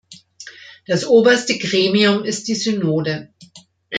Das oberste Gremium ist die Synode.